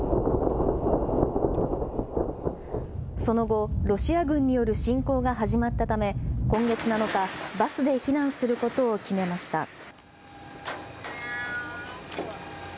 その後、ロシア軍による侵攻が始まったため今月７日、バスで避難することを決めました。